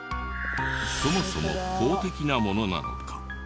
そもそも公的なものなのか？